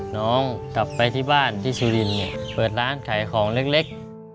น้องกลับไปที่บ้านที่สุรินเนี่ยเปิดร้านขายของเล็ก